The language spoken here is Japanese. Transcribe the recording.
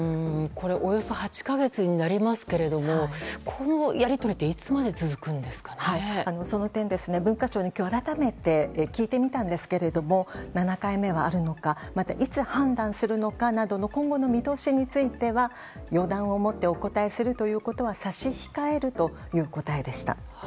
およそ８か月になりますけれどこのやり取りってその点、文化庁に改めて聞いてみたんですが７回目はあるのかまた、いつ判断するのかなどの今後の見通しについては予断を持ってお答えするということは差し控えるという答えでした。